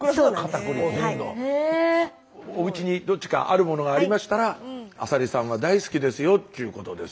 おうちにどっちかあるものがありましたらアサリさんは大好きですよということです。